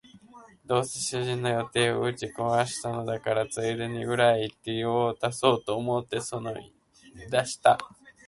どうせ主人の予定は打ち壊したのだから、ついでに裏へ行って用を足そうと思ってのそのそ這い出した